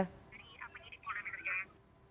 dari penyidik pol damitru jaya